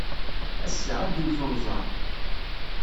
Ass-a, ad d-iwet unẓar.